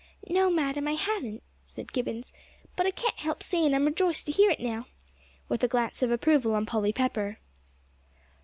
"No, madam, I haven't," said Gibbons, "but I can't help saying I'm rejoiced to hear it now," with a glance of approval on Polly Pepper.